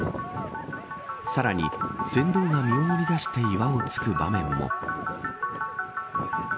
さらに、船頭が身を乗り出して岩を突く場面も。